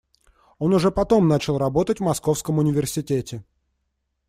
Он уже потом начал работать в Московском университете.